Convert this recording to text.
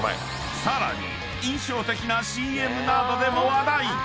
［さらに印象的なＣＭなどでも話題］